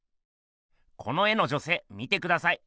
この絵の女せい見てください。